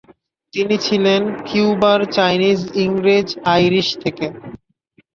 তিনি ছিলেন Cuban, Chinese, ইংরেজ, আইরিশ থেকে।